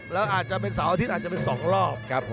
แล้วอาจจะเป็นเสาร์อาทิตย์อาจจะเป็น๒รอบครับ